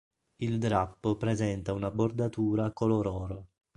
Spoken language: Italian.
Il drappo presenta una bordatura color oro.